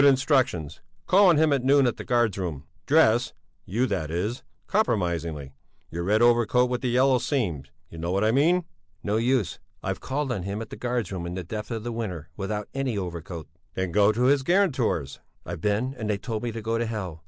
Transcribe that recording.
Instructions: Call on him at noon at the guards room. Dress you that is compromisingly. Your red overcoat with the yellow seams, you know what I mean." "No use! I've called on him at the guards room in the depth of the winter without any overcoat." "Then go to his guarantors!" "I've been and they told me to go to hell.